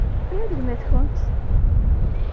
Anwa i d gma-tkent?